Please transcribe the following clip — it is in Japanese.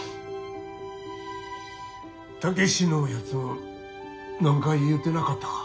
武志のやつ何か言うてなかったか？